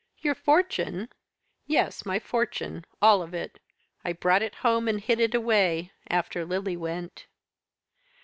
"'Your fortune?' "'Yes my fortune; all of it. I brought it home, and hid it away after Lily went.'